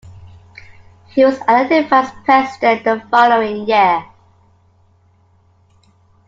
He was elected Vice President the following year.